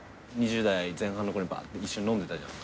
２０代前半の頃にばーって一緒に飲んでたじゃん。